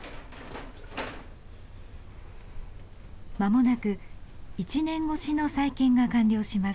間もなく１年越しの再建が完了します。